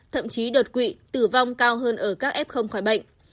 thậm chí đột quỵ tử vong cao hơn ở các f khỏi bệnh